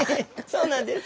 そうなんです。